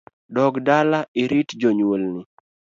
Dog dala irit jonyuol ni